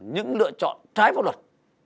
những lựa chọn trái pháp luật